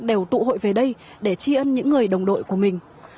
đều tụ hội về đây để tri ân những người đồng đội của mình